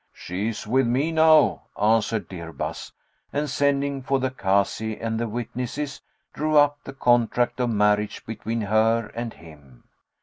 "She is with me now," answered Dirbas and, sending for the Kazi and the witnesses, drew up the contract of marriage between her and him.